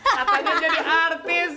katanya jadi artis